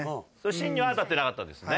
芯には当たってなかったですね。